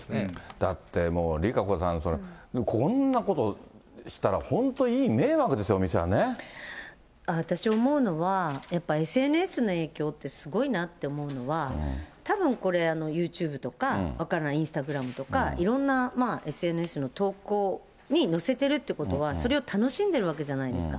だってもう、ＲＩＫＡＣＯさん、こんなことしたら、本当、いい迷惑ですよ、私思うのは、やっぱりＳＮＳの影響ってすごいなって思うのは、たぶんこれ、ユーチューブとか、分からない、インスタグラムとか、いろんなＳＮＳの投稿に載せてるってことは、それを楽しんでいるわけじゃないですか。